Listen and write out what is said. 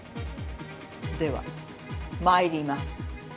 ではまいります。